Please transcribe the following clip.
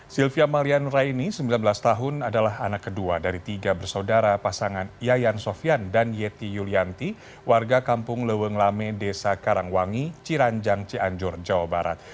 sylvia malian raini sembilan belas tahun adalah anak kedua dari tiga bersaudara pasangan yayan sofian dan yeti yulianti warga kampung leweng lame desa karangwangi ciranjang cianjur jawa barat